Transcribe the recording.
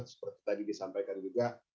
seperti tadi disampaikan juga